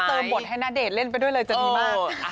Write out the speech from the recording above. คิดว่าเติมบทให้ณเดชน์เล่นไปด้วยเลยจะดีมาก